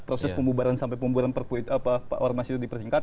proses pemubaran sampai pemubaran warma sido dipertingkat